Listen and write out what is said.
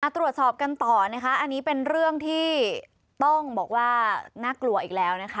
ตรวจสอบกันต่อนะคะอันนี้เป็นเรื่องที่ต้องบอกว่าน่ากลัวอีกแล้วนะคะ